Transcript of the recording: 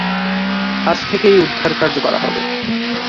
আজ থেকেই উদ্ধারকার্য করা হবে।